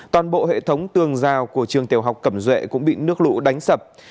toàn bộ hệ thống tương giao của trường tiểu học cẩm duệ cũng bị nước lũ đánh sập